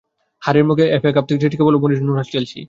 হারের মুখ দেখে এফএ কাপ থেকে ছিটকে পড়ল হোসে মরিনহোর চেলসি।